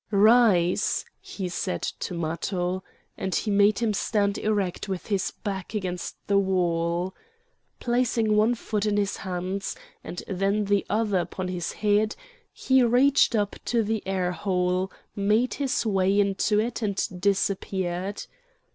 "Rise!" he said to Matho, and he made him stand erect with his back against the wall. Placing one foot in his hands, and then the other upon his head, he reached up to the air hole, made his way into it and disappeared.